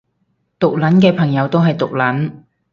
毒撚嘅朋友都係毒撚